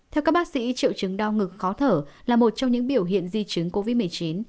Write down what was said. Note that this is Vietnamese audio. theo các bác sĩ triệu chứng đau ngực khó thở là một trong những biểu hiện di chứng covid một mươi chín